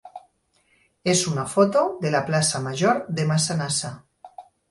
és una foto de la plaça major de Massanassa.